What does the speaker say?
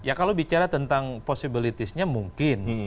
ya kalau bicara tentang posibilitasnya mungkin